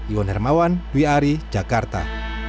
iwan hermawan wiari jakarta